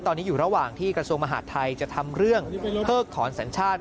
ตอนนี้อยู่ระหว่างที่กระทรวงมหาดไทยจะทำเรื่องเพิกถอนสัญชาติ